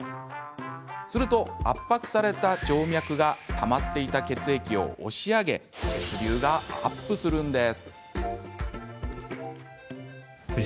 すると、圧迫された静脈がたまっていた血液を押し上げ血流がアップするんです。